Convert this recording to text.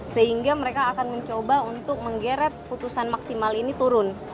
sehingga mereka akan mencoba untuk menggeret putusan maksimal ini turun